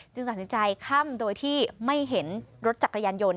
จึงสังเกิดใจข้ามโดยที่ไม่เห็นรถจักรยานยนต์